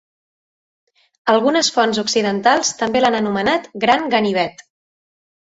Algunes fonts occidentals també l'han anomenat "gran ganivet".